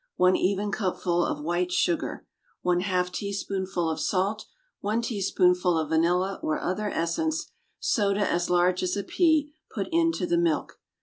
One even cupful of white sugar. One half teaspoonful of salt. One teaspoonful of vanilla or other essence. Soda as large as a pea, put into the milk.